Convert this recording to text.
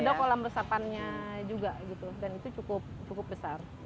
ada kolam resapannya juga gitu dan itu cukup besar